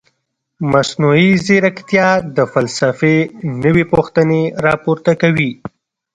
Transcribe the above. مصنوعي ځیرکتیا د فلسفې نوې پوښتنې راپورته کوي.